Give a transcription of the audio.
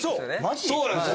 そうなんです。